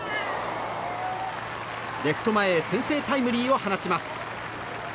レフト前へ先制タイムリーを放ちます。